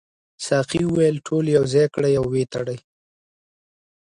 ساقي وویل ټول سره یو ځای کړئ او وتړئ.